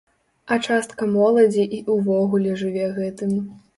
А частка моладзі і ўвогуле жыве гэтым.